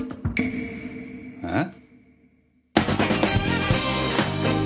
えっ？